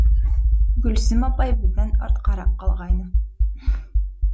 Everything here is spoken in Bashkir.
Гөлсөм апай беҙҙән артҡараҡ ҡалғайны.